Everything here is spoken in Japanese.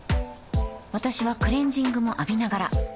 私はクレジングも浴びながら